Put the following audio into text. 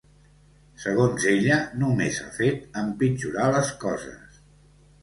Segons ella, només ha fet empitjorar les coses.